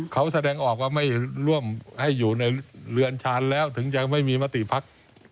เขาแสดงออกว่าไม่ร่วมให้อยู่ในเรือนชาญแล้วถึงยังไม่มีมติภักดิ์